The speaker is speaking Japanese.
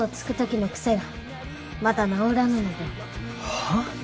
はあ？